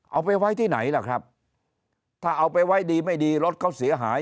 เอาไปไว้ที่ไหนล่ะครับถ้าเอาไปไว้ดีไม่ดีรถเขาเสียหาย